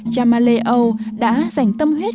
cha ma lê âu đã dành tâm huyết